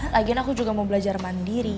lagian aku juga mau belajar mandiri